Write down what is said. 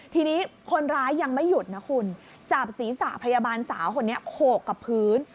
ทีนี้คนร้ายยังไม่หยุดนะคุณจับศีรษะพยาบาลสาวคนนี้โขกกับพื้น